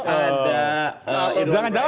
ada bang mardin juga